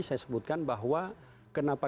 saya sebutkan bahwa kenapa